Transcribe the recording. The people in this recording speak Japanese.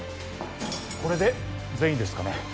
これで全員ですかね？